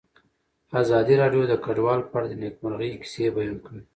ازادي راډیو د کډوال په اړه د نېکمرغۍ کیسې بیان کړې.